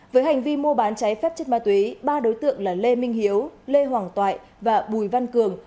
với hành vi mua bán cháy phép chất ma túy ba đối tượng là lê minh hiếu lê hoàng toại và bùi văn cường